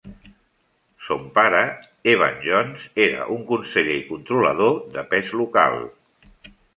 Son pare, Evan Jones, era un conseller i controlador de pes local.